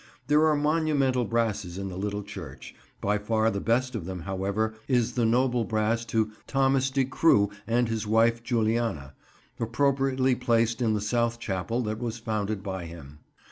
There are monumental brasses in the little church; by far the best of them, however, is the noble brass to Thomas de Cruwe and his wife Juliana, appropriately placed in the south chapel that was founded by him.